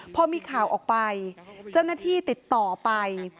พอมีข่าวออกไปเจ้าหน้าที่ติดต่อไป